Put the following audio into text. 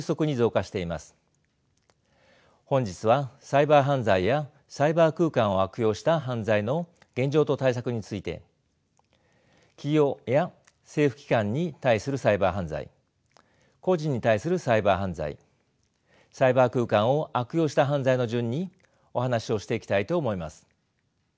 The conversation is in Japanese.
本日はサイバー犯罪やサイバー空間を悪用した犯罪の現状と対策について企業や政府機関に対するサイバー犯罪個人に対するサイバー犯罪サイバー空間を悪用した犯罪の順にお話をしていきたいと思います。